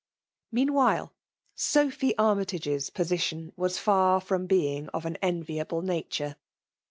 Meanwhile, Sophy Arniytage*s position was far from being of an enviable nature.